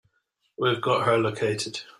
We've got her located.